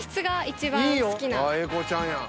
［英孝ちゃんや］